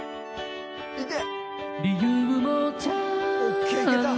いけ！